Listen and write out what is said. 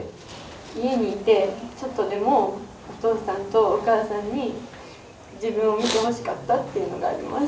家にいてちょっとでもお父さんとお母さんに自分を見てほしかったっていうのがあります。